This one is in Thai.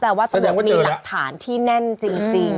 ว่าตำรวจมีหลักฐานที่แน่นจริง